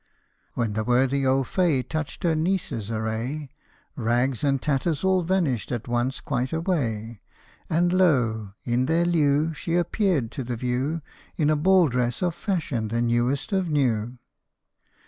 Then the worthy old fay touched her niece's array Rags and tatters all vanished at once quite away, And, lo ! in their lieu, she appeared to the view In a ball dress of fashion the newest of new